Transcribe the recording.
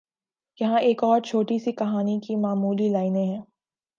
یہاں ایک اور چھوٹی سی کہانی کی معمولی لائنیں ہیں